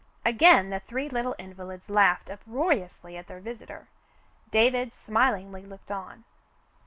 Again the three little invalids laughed uproariously at their visitor. David smilingly looked on.